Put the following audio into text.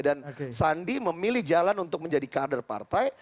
dan sandi memilih jalan untuk menjadi kader partai